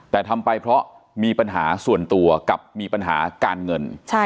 แต่ทำไปเพราะมีปัญหาส่วนตัวกับมีปัญหาการเงิน